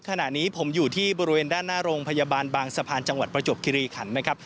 ขณะนี้ผมอยู่ที่บริเวณด้านหน้าโรงพยาบาลบางสะพานจังหวัดประจวบคิริขันนะครับ